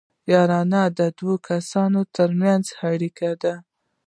یارانه د دوو کسانو ترمنځ اړیکه ده